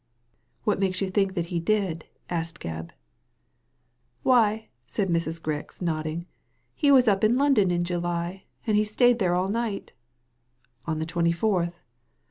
"What makes you think that he did?" asked Gcbb. "Why," said Mrs. Grix, nodding, "he was up ia London in July, and he stayed there all night" "On the twenty fourth